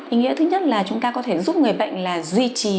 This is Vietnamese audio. ý nghĩa thứ nhất là chúng ta có thể giúp người bệnh là duy trì